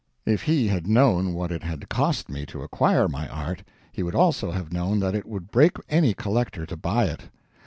If he had known what it had cost me to acquire my art, he would also have known that it would break any collector to buy it.